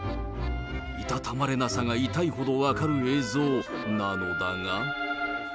いたたまれなさが痛いほど分かる映像なのだが。